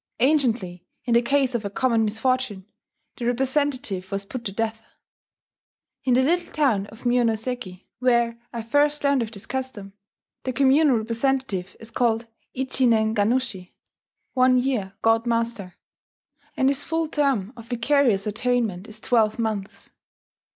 Anciently, in the case of a common misfortune, the representative was put to death. In the little town of Mionoseki, where I first learned of this custom, the communal representative is called ichi nen gannushi ("one year god master"); and his full term of vicarious atonement is twelve months.